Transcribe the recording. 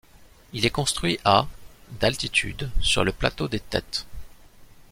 Il est construit à d'altitude sur le plateau des Têtes.